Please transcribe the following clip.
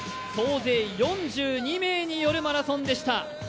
総勢４２名によるマラソンでした。